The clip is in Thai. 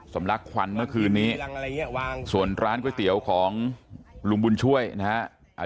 ลักควันเมื่อคืนนี้ส่วนร้านก๋วยเตี๋ยวของลุงบุญช่วยนะฮะ